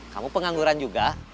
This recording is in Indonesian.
kamu pengangguran juga